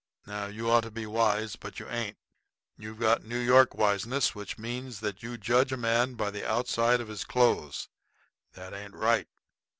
Now, you ought to be wise, but you ain't. You've got New York wiseness, which means that you judge a man by the outside of his clothes. That ain't right.